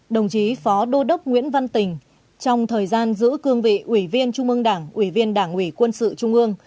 đồng chí phó đô đốc nguyễn văn tình trong thời gian giữ cương vị ủy viên trung ương đảng ủy viên đảng ủy quân sự trung ương